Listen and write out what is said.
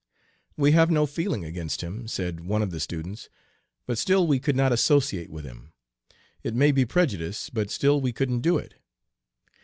'We have no feeling against him,' said one of the students, 'but still we could not associate with him. It may be prejudice, but still we couldn't do it.'